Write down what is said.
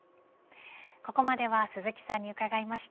ここまでは鈴木さんに伺いました。